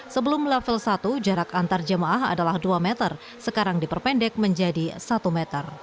sebelum level satu jarak antarjemaah adalah dua m sekarang diperpendek menjadi satu m